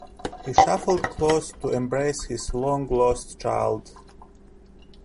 He shuffled close to embrace his long lost child.